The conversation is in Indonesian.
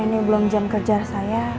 ini belum jam kerja saya